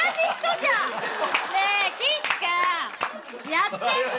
やってんな⁉